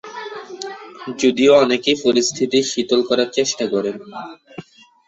যদিও অনেকেই পরিস্থিতি শীতল করার চেষ্টা করেন।